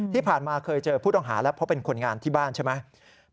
ที่ผ่านมาเคยเจอผู้ต้องหาแล้วเพราะเป็นคนงานที่บ้านใช่ไหม